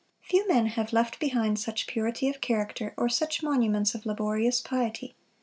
Few men have left behind such purity of character, or such monuments of laborious piety.